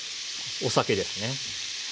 お酒ですね。